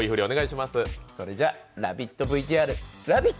それじゃ、ラヴィットＶＴＲ、ラヴィット。